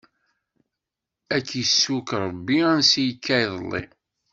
Ad k-issukk Ṛebbi ansi ikka iḍelli!